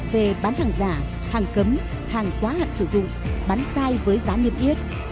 về bán hàng giả hàng cấm hàng quá hạn sử dụng bán sai với giá niêm yết